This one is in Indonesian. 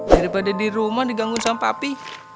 daripada di rumah diganggu sampah api